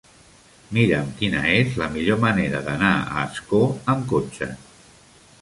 Mira'm quina és la millor manera d'anar a Ascó amb cotxe.